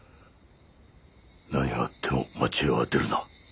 何があっても町へは出るな。